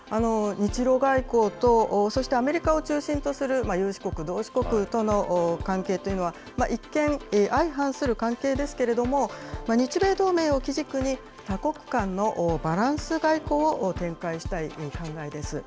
日ロ外交と、そしてアメリカを中心とする有志国、同志国との関係というのは、一見、相反する関係ですけれども、日米同盟を基軸に、多国間のバランス外交を展開したい考えです。